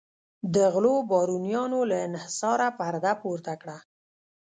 د غلو بارونیانو له انحصاره پرده پورته کړه.